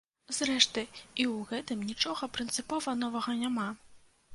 Зрэшты, і ў гэтым нічога прынцыпова новага няма.